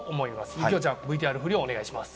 行雄ちゃん、ＶＴＲふりをお願いします。